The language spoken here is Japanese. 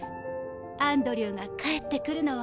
アンドリューが帰ってくるのを。